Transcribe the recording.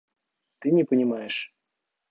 Ты не понимаешь.